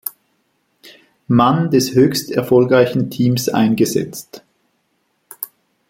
Mann des höchst erfolgreichen Teams eingesetzt.